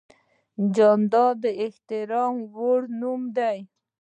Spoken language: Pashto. جانداد د احترام وړ نوم دی.